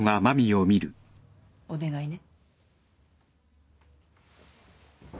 お願いね。